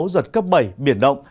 giật cấp bảy biển động